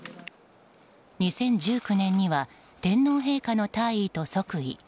２０１９年には天皇陛下の退位と即位。